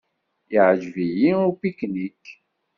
Iεǧeb-iyi upiknik.